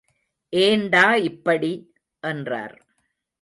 ஏண்டா இப்படி? என்றார்.